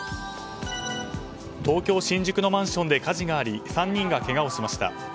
東京・新宿のマンションで火事があり３人がけがをしました。